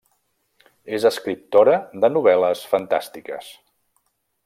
És escriptora de novel·les fantàstiques.